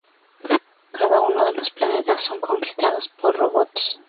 Cada uno de Los planetas son conquistados por robots.